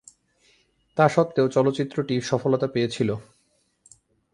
তাস্বত্ত্বেও চলচ্চিত্রটি সফলতা পেয়েছিল।